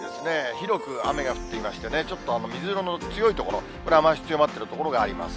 広く雨が降っていましてね、ちょっと、水色の強い所、これ、雨足強まっている所あります。